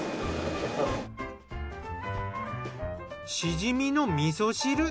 シジミの味噌汁。